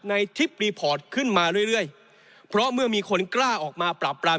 ทริปรีพอร์ตขึ้นมาเรื่อยเรื่อยเพราะเมื่อมีคนกล้าออกมาปราบปราม